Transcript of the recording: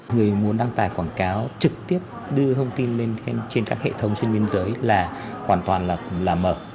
người muốn đăng tải quảng cáo trực tiếp đưa thông tin lên trên các hệ thống trên biên giới là hoàn toàn là mở